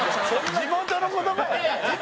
地元の言葉やろ。